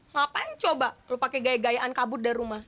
ngapain coba lo pake gaya gayaan kabut dari rumah